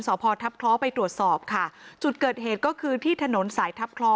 สอบพอทัพคล้อไปตรวจสอบค่ะจุดเกิดเหตุก็คือที่ถนนสายทัพคล้อ